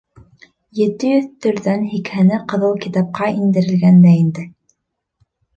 Ете йөҙ төрҙән һикһәне «Ҡыҙыл китап»ҡа индерелгән дә инде.